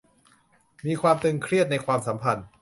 มีความตึงเครียดในความสัมพันธ์